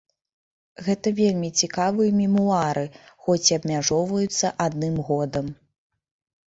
Гэта вельмі цікавыя мемуары, хоць і абмяжоўваюцца адным годам.